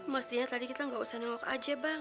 mas dina tadi kita gak usah nyokok aja bang